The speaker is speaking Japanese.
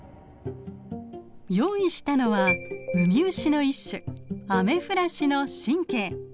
用意したのはウミウシの一種アメフラシの神経。